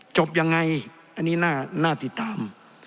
จบยังไงอันนี้น่าติดตาม